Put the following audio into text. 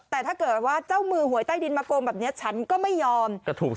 แต่ถ้าเกิดว่าเจ้ามือหวยใต้ดินมาโกงแบบนี้ฉันก็ไม่ยอม